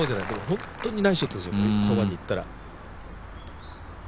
本当にナイスショットですよ、そばに行ったら。